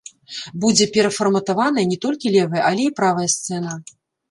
Будзе перафарматаваная не толькі левая, але і правая сцэна.